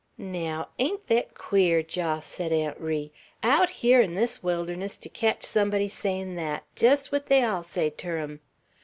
"Naow, ain't thet queer, Jos," said Aunt Ri, "aout here 'n thes wilderness to ketch sumbody sayin' thet, jest what they all say ter hum?